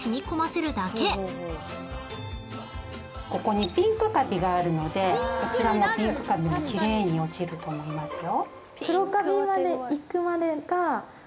ここにピンクカビがあるのでこちらのピンクカビも奇麗に落ちると思いますよ。